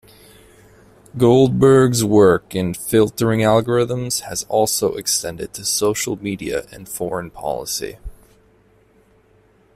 Goldberg's work in filtering algorithms has also extended to social media and foreign policy.